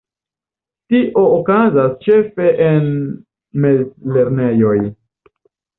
Tio okazas ĉefe en mezlernejoj.